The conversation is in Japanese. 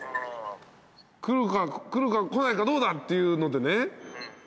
来るか来ないかどうだ？っていうのでね。